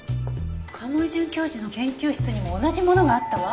賀茂井准教授の研究室にも同じものがあったわ。